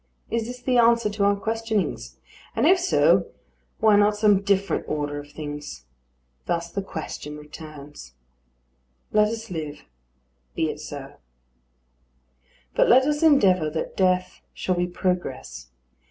Is this the answer to our questionings? And if so, why not some different order of things? Thus the question returns. Let us live: be it so. But let us endeavour that death shall be progress.